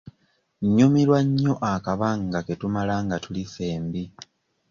Nnyumirwa nnyo akabanga ke tumala nga tuli ffembi.